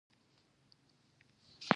د هرات په شینډنډ کې د مسو نښې شته.